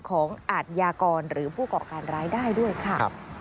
อาทยากรหรือผู้ก่อการร้ายได้ด้วยค่ะ